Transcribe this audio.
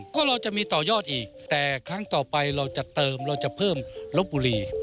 ก็เราจะมีต่อยอดอีกแต่ครั้งต่อไปเราจะเติมเราจะเพิ่มลบบุรี